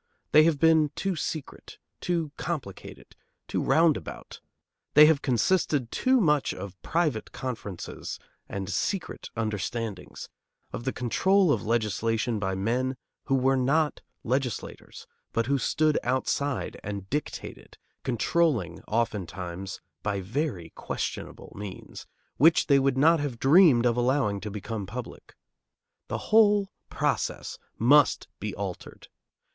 They have been too secret, too complicated, too roundabout; they have consisted too much of private conferences and secret understandings, of the control of legislation by men who were not legislators, but who stood outside and dictated, controlling oftentimes by very questionable means, which they would not have dreamed of allowing to become public. The whole process must be altered.